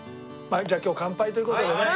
じゃあ今日乾杯という事でね。